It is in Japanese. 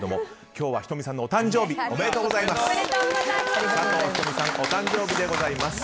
今日は仁美さんのお誕生日おめでとうございます。